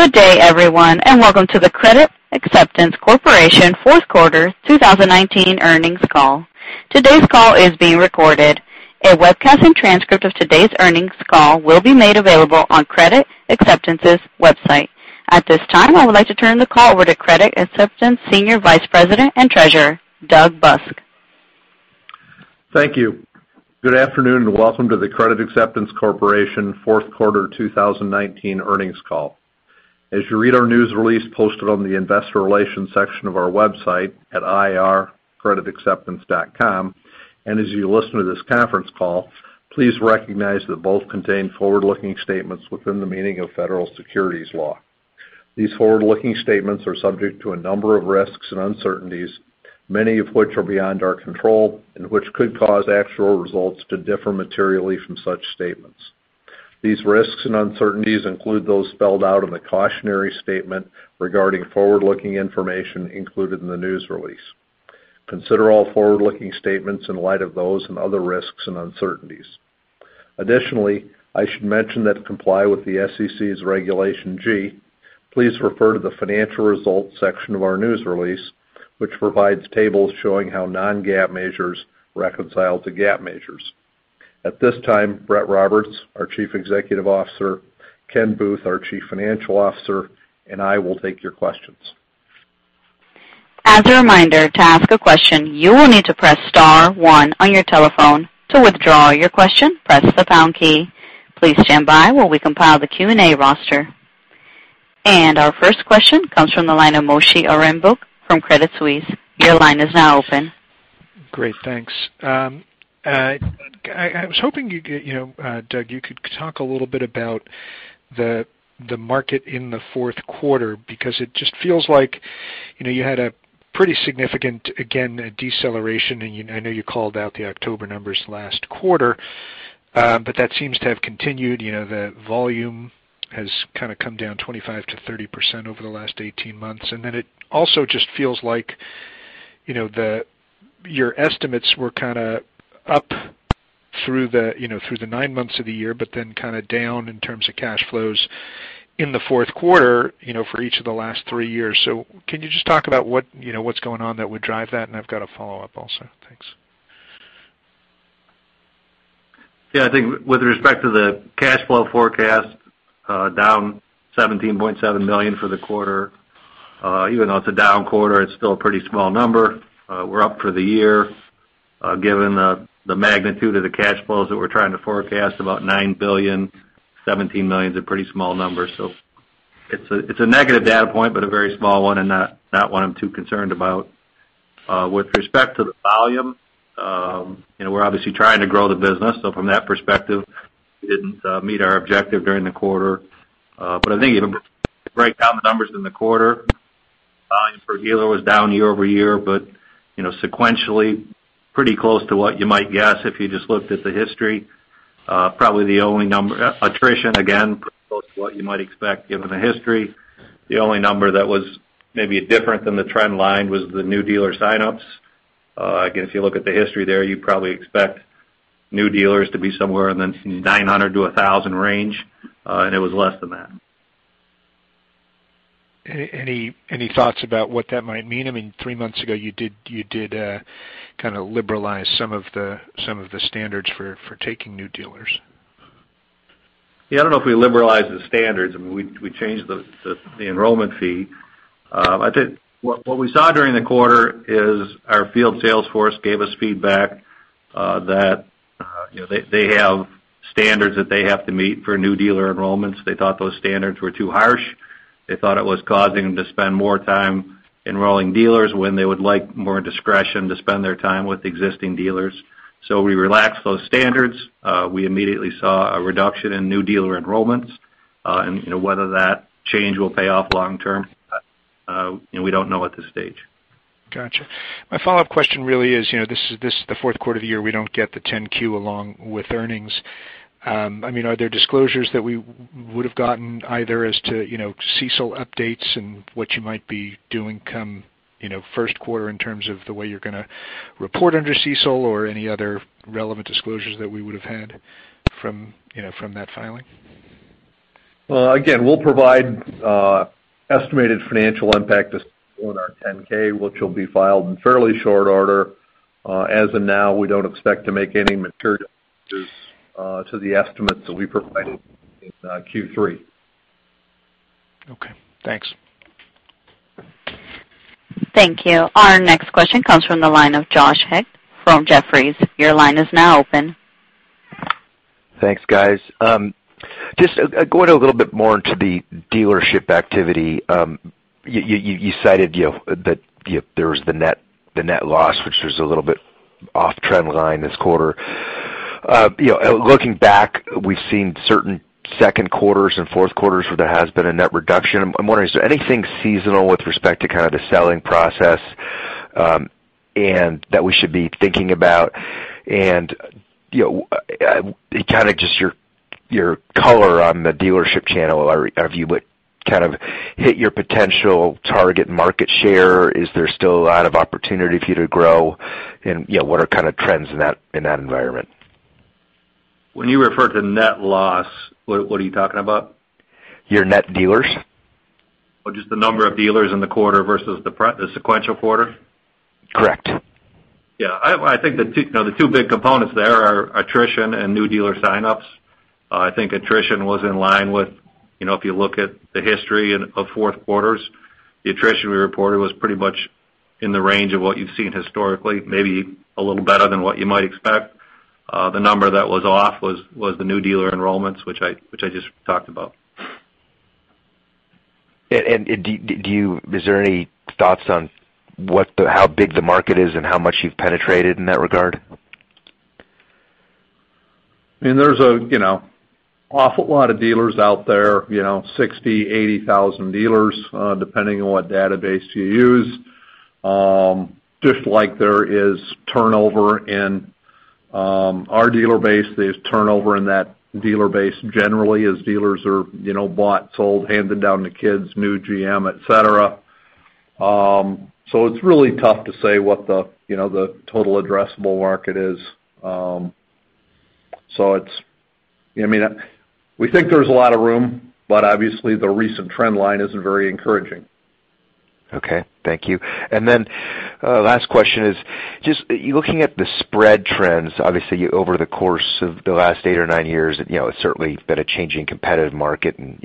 Good day, everyone, and welcome to the Credit Acceptance Corporation fourth quarter 2019 earnings call. Today's call is being recorded. A webcast and transcript of today's earnings call will be made available on Credit Acceptance's website. At this time, I would like to turn the call over to Credit Acceptance Senior Vice President and Treasurer, Doug Busk. Thank you. Good afternoon, and welcome to the Credit Acceptance Corporation fourth quarter 2019 earnings call. As you read our news release posted on the investor relations section of our website at ir.creditacceptance.com, and as you listen to this conference call, please recognize that both contain forward-looking statements within the meaning of federal securities law. These forward-looking statements are subject to a number of risks and uncertainties, many of which are beyond our control and which could cause actual results to differ materially from such statements. These risks and uncertainties include those spelled out in the cautionary statement regarding forward-looking information included in the news release. Consider all forward-looking statements in light of those and other risks and uncertainties. Additionally, I should mention that to comply with the SEC's Regulation G, please refer to the financial results section of our news release, which provides tables showing how non-GAAP measures reconcile to GAAP measures. At this time, Brett Roberts, our Chief Executive Officer, Ken Booth, our Chief Financial Officer, and I will take your questions. As a reminder, to ask a question, you will need to press star one on your telephone. To withdraw your question, press the pound key. Please stand by while we compile the Q&A roster. Our first question comes from the line of Moshe Orenbuch from Credit Suisse. Your line is now open. Great, thanks. I was hoping, Doug, you could talk a little bit about the market in the fourth quarter, because it just feels like you had a pretty significant, again, deceleration, and I know you called out the October numbers last quarter, but that seems to have continued. The volume has kind of come down 25%-30% over the last 18 months. It also just feels like your estimates were kind of up through the nine months of the year, but then kind of down in terms of cash flows in the fourth quarter for each of the last three years. Can you just talk about what's going on that would drive that? I've got a follow-up also. Thanks. Yeah, I think with respect to the cash flow forecast, down $17.7 million for the quarter. Even though it's a down quarter, it's still a pretty small number. We're up for the year. Given the magnitude of the cash flows that we're trying to forecast, about $9 billion, $17 million's a pretty small number. It's a negative data point, but a very small one and not one I'm too concerned about. With respect to the volume, we're obviously trying to grow the business. From that perspective, we didn't meet our objective during the quarter. I think if you break down the numbers in the quarter, volume per dealer was down year-over-year, but sequentially, pretty close to what you might guess if you just looked at the history. Attrition, again, pretty close to what you might expect given the history. The only number that was maybe different than the trend line was the new dealer signups. Again, if you look at the history there, you'd probably expect new dealers to be somewhere in the 900 to 1,000 range, and it was less than that. Any thoughts about what that might mean? Three months ago, you did kind of liberalize some of the standards for taking new dealers. I don't know if we liberalized the standards. We changed the enrollment fee. What we saw during the quarter is our field sales force gave us feedback that they have standards that they have to meet for new dealer enrollments. They thought those standards were too harsh. They thought it was causing them to spend more time enrolling dealers when they would like more discretion to spend their time with existing dealers. So we relaxed those standards. We immediately saw a reduction in new dealer enrollments, and whether that change will pay off long term, we don't know at this stage. Got you. My follow-up question really is, this is the fourth quarter of the year. We don't get the 10-Q along with earnings. Are there disclosures that we would've gotten either as to CECL updates and what you might be doing come first quarter in terms of the way you're going to report under CECL or any other relevant disclosures that we would've had from that filing? We'll provide estimated financial impact on our 10-K, which will be filed in fairly short order. As of now, we don't expect to make any material changes to the estimates that we provided in Q3. Okay, thanks. Thank you. Our next question comes from the line of John Hecht from Jefferies. Your line is now open. Thanks, guys. Just going a little bit more into the dealership activity. You cited that there was the net loss, which was a little bit off trend line this quarter. Looking back, we've seen certain second quarters and fourth quarters where there has been a net reduction. I'm wondering, is there anything seasonal with respect to kind of the selling process that we should be thinking about? Kind of just your color on the dealership channel. Have you hit your potential target market share? Is there still a lot of opportunity for you to grow? What are kind of trends in that environment? When you refer to net loss, what are you talking about? Your net dealers. Oh, just the number of dealers in the quarter versus the sequential quarter? Correct. Yeah. I think the two big components there are attrition and new dealer sign-ups. I think attrition was in line with, if you look at the history of fourth quarters, the attrition we reported was pretty much in the range of what you've seen historically, maybe a little better than what you might expect. The number that was off was the new dealer enrollments, which I just talked about. Is there any thoughts on how big the market is and how much you've penetrated in that regard? There's an awful lot of dealers out there, 60,000, 80,000 dealers, depending on what database you use. Just like there is turnover in our dealer base, there's turnover in that dealer base generally as dealers are bought, sold, handed down to kids, new GM, et cetera. It's really tough to say what the total addressable market is. We think there's a lot of room, but obviously, the recent trend line isn't very encouraging. Okay. Thank you. Then last question is just, looking at the spread trends, obviously over the course of the last eight or nine years, it's certainly been a changing competitive market and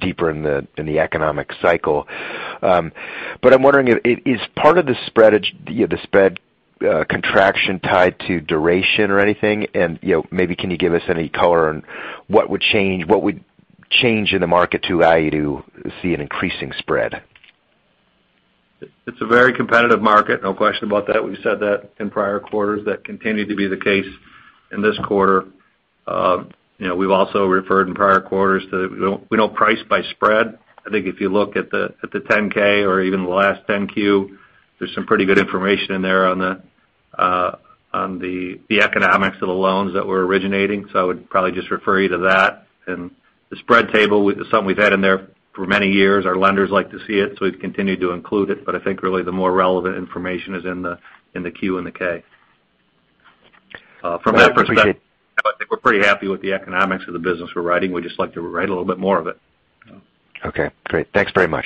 deeper in the economic cycle. I'm wondering, is part of the spread contraction tied to duration or anything? Maybe can you give us any color on what would change in the market to allow you to see an increasing spread? It's a very competitive market, no question about that. We've said that in prior quarters. That continued to be the case in this quarter. We've also referred in prior quarters to, we don't price by spread. I think if you look at the 10-K or even the last 10-Q, there's some pretty good information in there on the economics of the loans that we're originating. I would probably just refer you to that. The spread table is something we've had in there for many years. Our lenders like to see it, we've continued to include it. I think really the more relevant information is in the Q and the K. From that perspective, I think we're pretty happy with the economics of the business we're writing. We'd just like to write a little bit more of it. Okay, great. Thanks very much.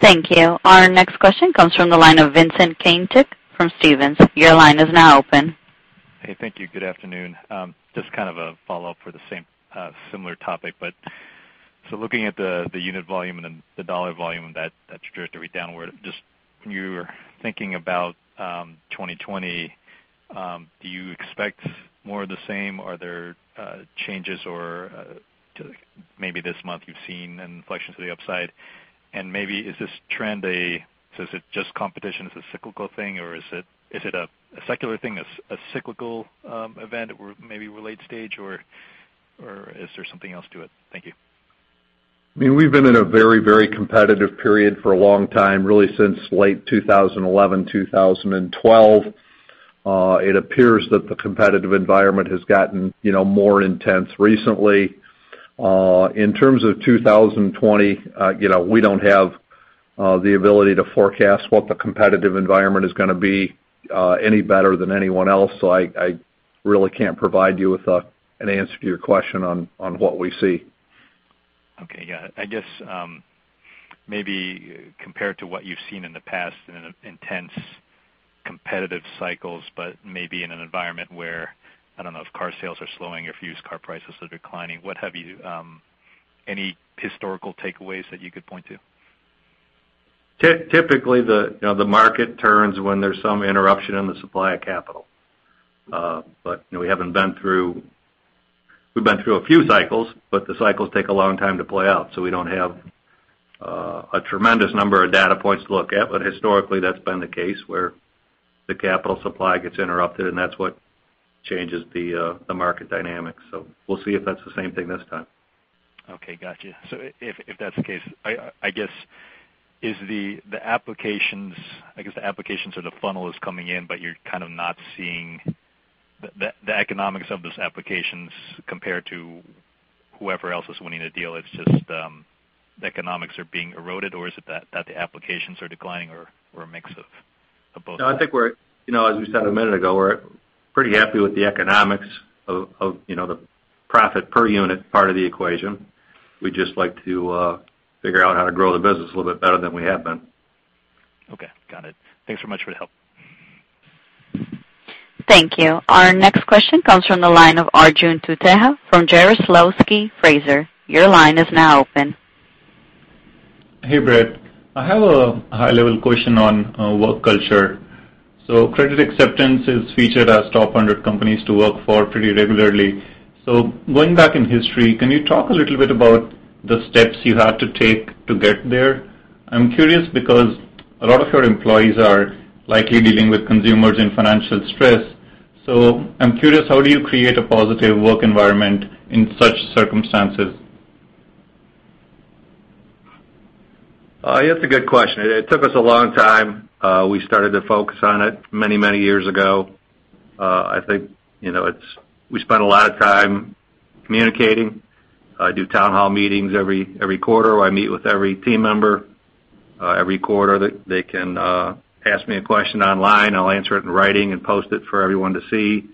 Thank you. Our next question comes from the line of Vincent Caintic from Stephens. Your line is now open. Hey, thank you. Good afternoon. Just kind of a follow-up for the similar topic, looking at the unit volume and the dollar volume that trajectory downward. Just when you were thinking about 2020, do you expect more of the same? Are there changes or maybe this month you've seen an inflection to the upside? Is it just competition? Is it a cyclical thing or is it a secular thing, a cyclical event that we're maybe late stage or is there something else to it? Thank you. We've been in a very competitive period for a long time, really since late 2011, 2012. It appears that the competitive environment has gotten more intense recently. In terms of 2020, we don't have the ability to forecast what the competitive environment is going to be any better than anyone else. I really can't provide you with an answer to your question on what we see. Okay. Yeah. I guess, maybe compared to what you've seen in the past in intense competitive cycles, but maybe in an environment where, I don't know, if car sales are slowing or if used car prices are declining, what have you. Any historical takeaways that you could point to? Typically, the market turns when there's some interruption in the supply of capital. We've been through a few cycles, but the cycles take a long time to play out. We don't have a tremendous number of data points to look at. Historically, that's been the case where the capital supply gets interrupted, and that's what changes the market dynamics. We'll see if that's the same thing this time. Got you. If that's the case, I guess, the applications or the funnel is coming in, but you're kind of not seeing the economics of those applications compared to whoever else is winning a deal. It's just the economics are being eroded, or is it that the applications are declining or a mix of both? No, I think as we said a minute ago, we're pretty happy with the economics of the profit per unit part of the equation. We'd just like to figure out how to grow the business a little bit better than we have been. Okay. Got it. Thanks so much for the help. Thank you. Our next question comes from the line of Arjun Tuteja from Jarislowsky Fraser. Your line is now open. Hey, Brett. I have a high-level question on work culture. Credit Acceptance is featured as top 100 companies to work for pretty regularly. Going back in history, can you talk a little bit about the steps you had to take to get there? I'm curious because a lot of your employees are likely dealing with consumers in financial stress. I'm curious, how do you create a positive work environment in such circumstances? It's a good question. It took us a long time. We started to focus on it many years ago. I think we spent a lot of time communicating. I do town hall meetings every quarter where I meet with every team member. Every quarter, they can ask me a question online. I'll answer it in writing and post it for everyone to see.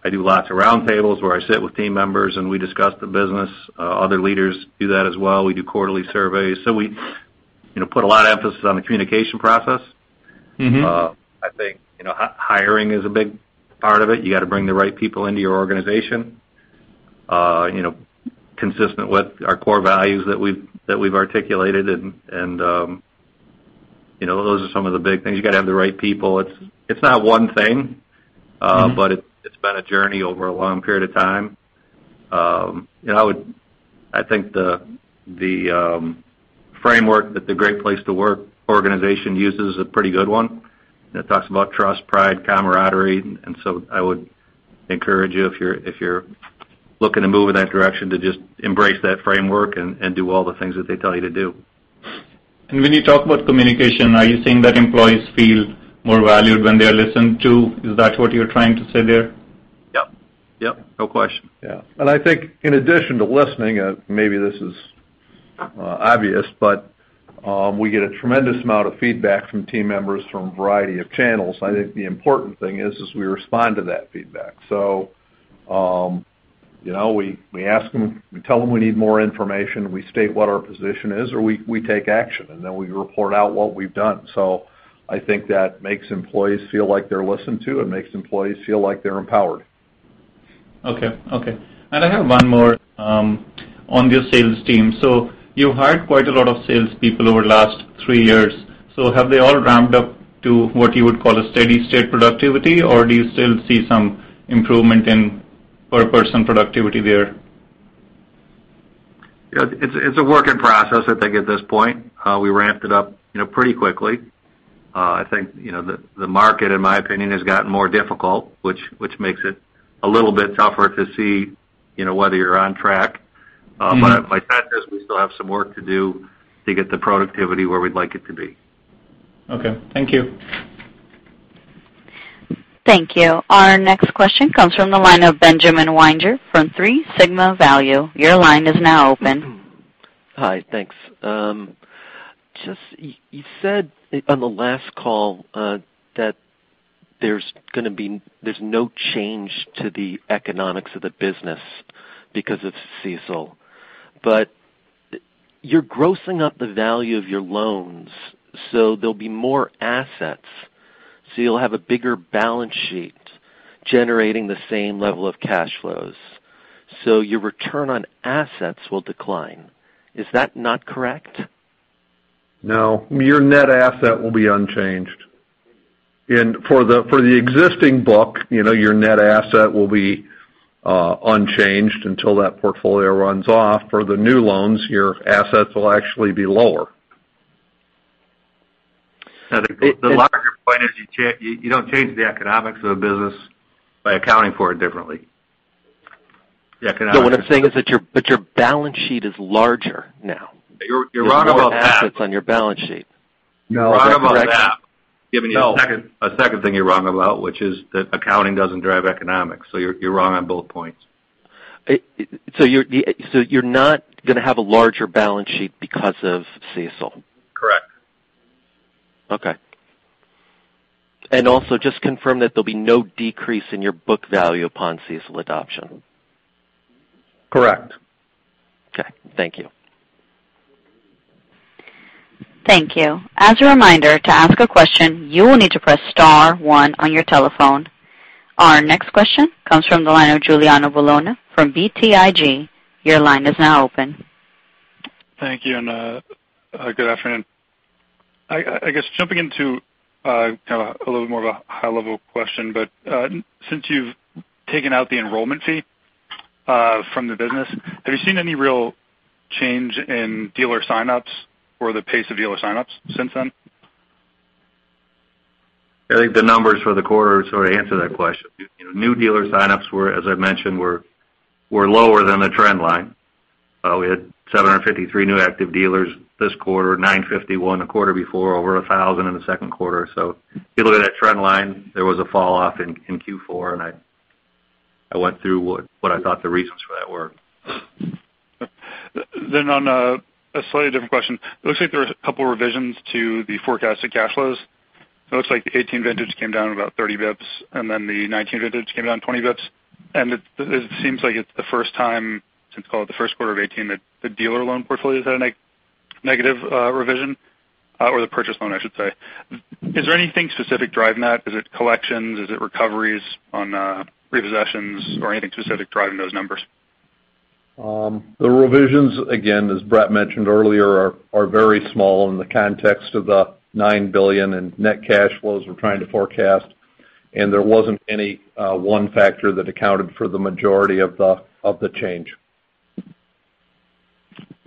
I do lots of round tables where I sit with team members and we discuss the business. Other leaders do that as well. We do quarterly surveys, so we put a lot of emphasis on the communication process. I think, hiring is a big part of it. You got to bring the right people into your organization, consistent with our core values that we've articulated and those are some of the big things. You got to have the right people. It's not one thing. It's been a journey over a long period of time. I think the framework that the Great Place to Work organization uses a pretty good one, and it talks about trust, pride, camaraderie, and so I would encourage you, if you're looking to move in that direction, to just embrace that framework and do all the things that they tell you to do. When you talk about communication, are you saying that employees feel more valued when they're listened to? Is that what you're trying to say there? Yep. No question. Yeah. I think in addition to listening, maybe this is obvious, but we get a tremendous amount of feedback from team members from a variety of channels. I think the important thing is we respond to that feedback. We tell them we need more information, we state what our position is, or we take action, and then we report out what we've done. I think that makes employees feel like they're listened to and makes employees feel like they're empowered. Okay. I have one more on your sales team. You've hired quite a lot of salespeople over the last three years. Have they all ramped up to what you would call a steady state productivity, or do you still see some improvement in per person productivity there? It's a work in process, I think at this point. We ramped it up pretty quickly. I think, the market, in my opinion, has gotten more difficult, which makes it a little bit tougher to see whether you're on track. My sense is we still have some work to do to get the productivity where we'd like it to be. Okay. Thank you. Thank you. Our next question comes from the line of Benjamin Weinger from 3 Sigma Value. Your line is now open. Hi. Thanks. Just you said on the last call that there's no change to the economics of the business because of CECL, but you're grossing up the value of your loans, there'll be more assets. You'll have a bigger balance sheet generating the same level of cash flows. Your return on assets will decline. Is that not correct? No. Your net asset will be unchanged. For the existing book, your net asset will be unchanged until that portfolio runs off. For the new loans, your assets will actually be lower. The larger point is you don't change the economics of the business by accounting for it differently. What I'm saying is that your balance sheet is larger now. You're wrong about that. There's more assets on your balance sheet. No. You're wrong about that. Giving you a second thing you're wrong about, which is that accounting doesn't drive economics. You're wrong on both points. You're not going to have a larger balance sheet because of CECL? Correct. Okay. Also just confirm that there'll be no decrease in your book value upon CECL adoption. Correct. Okay. Thank you. Thank you. As a reminder, to ask a question, you will need to press star one on your telephone. Our next question comes from the line of Giuliano Bologna from BTIG. Your line is now open. Thank you, and good afternoon. I guess jumping into a little more of a high-level question, since you've taken out the enrollment fee from the business, have you seen any real change in dealer sign-ups or the pace of dealer sign-ups since then? I think the numbers for the quarter sort of answer that question. New dealer sign-ups, as I mentioned, were lower than the trend line. We had 753 new active dealers this quarter, 951 the quarter before. Over 1,000 in the second quarter. If you look at that trend line, there was a fall off in Q4, and I went through what I thought the reasons for that were. On a slightly different question. Looks like there was a couple of revisions to the forecasted cash flows. It looks like the 2018 vintage came down about 30 basis points and then the 2019 vintage came down 20 basis points. It seems like it's the first time since, call it the first quarter of 2018, that the dealer loan portfolio has had a negative revision, or the purchase loan, I should say. Is there anything specific driving that? Is it collections? Is it recoveries on repossessions or anything specific driving those numbers? The revisions, again, as Brett mentioned earlier, are very small in the context of the $9 billion in net cash flows we're trying to forecast. There wasn't any one factor that accounted for the majority of the change.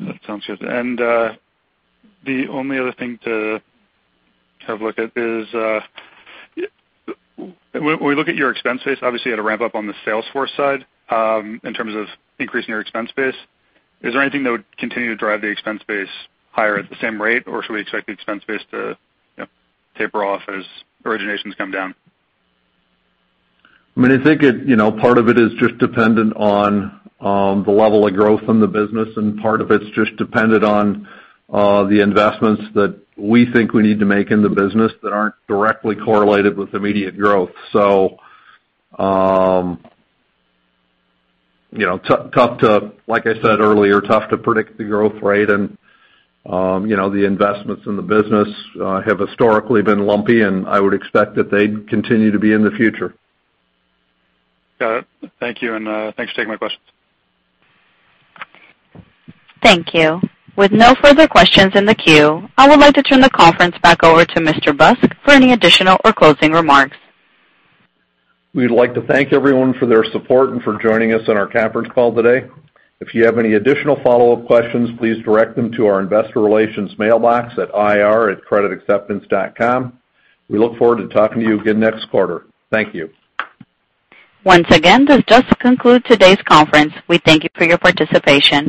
That sounds good. The only other thing to have a look at is, when we look at your expense base, obviously you had a ramp up on the sales force side, in terms of increasing your expense base. Is there anything that would continue to drive the expense base higher at the same rate, or should we expect the expense base to taper off as originations come down? I think part of it is just dependent on the level of growth in the business, and part of it's just dependent on the investments that we think we need to make in the business that aren't directly correlated with immediate growth. Like I said earlier, tough to predict the growth rate and the investments in the business have historically been lumpy, and I would expect that they'd continue to be in the future. Got it. Thank you, and thanks for taking my questions. Thank you. With no further questions in the queue, I would like to turn the conference back over to Mr. Busk for any additional or closing remarks. We'd like to thank everyone for their support and for joining us on our conference call today. If you have any additional follow-up questions, please direct them to our investor relations mailbox at ir@creditacceptance.com. We look forward to talking to you again next quarter. Thank you. Once again, this does conclude today's conference. We thank you for your participation.